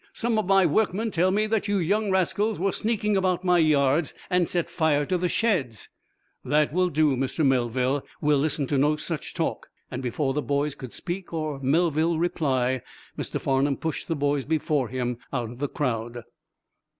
Some of my workmen tell me that you young rascals were sneaking about my yards and set fire to the sheds." "That will do, Mr. Melville. We'll listen to no such talk," and before the boys could speak or Melville reply Mr. Farnum pushed the boys before him out of the crowd.